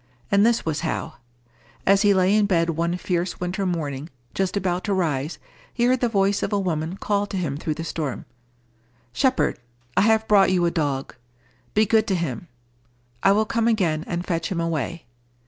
And this was how: as he lay in bed one fierce winter morning, just about to rise, he heard the voice of a woman call to him through the storm, "Shepherd, I have brought you a dog. Be good to him. I will come again and fetch him away."